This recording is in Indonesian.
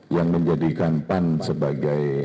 yang menjadikan pan sebagai